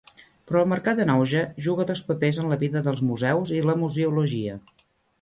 Però el mercat en auge juga dos papers en la vida dels museus i la museologia.